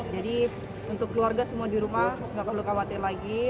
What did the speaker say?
jadi untuk keluarga semua di rumah tidak perlu khawatir lagi